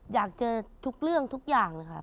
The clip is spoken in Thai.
อยากเจอทุกเรื่องทุกอย่างเลยค่ะ